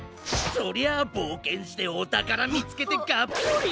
そりゃあぼうけんしておたからみつけてがっぽり。